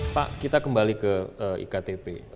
pak kita kembali ke iktp